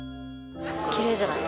きれいじゃない？